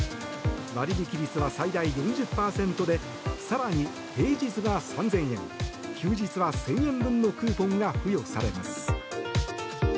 割引率は最大４０％で更に平日が３０００円休日は１０００円分のクーポンが付与されます。